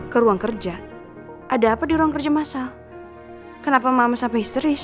ke ruang kerja ada apa di ruang kerja massal kenapa mama sampai histeris